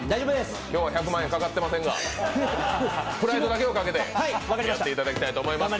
今日、１００万円はかかってませんがプライドだけをかけていただきたいと思います。